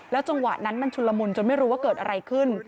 จังหวะนั้นมันชุนละมุนจนไม่รู้ว่าเกิดอะไรขึ้น